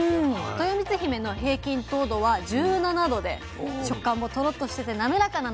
とよみつひめの平均糖度は１７度で食感もトロッとしてて滑らかなのが特徴です。